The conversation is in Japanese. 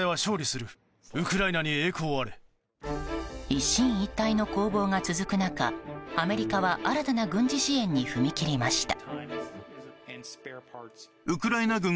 一進一退の攻防が続く中アメリカは、新たな軍事支援に踏み切りました。